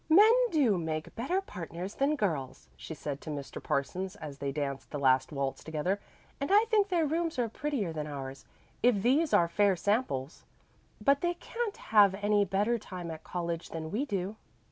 "Men do make better partners than girls," she said to Mr. Parsons as they danced the last waltz together. "And I think their rooms are prettier than ours, if these are fair samples. But they can't have any better time at college than we do."